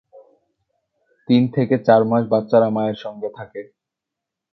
তিন থেকে চার মাস বাচ্চারা মায়ের সঙ্গে থাকে।